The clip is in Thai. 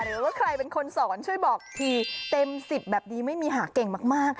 แล้วใครเป็นคนสอนช่วยบอกที่เต็มสิทธิ์แบบนี้ไม่มีห่าเก่งมาก